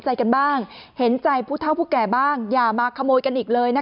ใจกันบ้างเห็นใจผู้เท่าผู้แก่บ้างอย่ามาขโมยกันอีกเลยนะคะ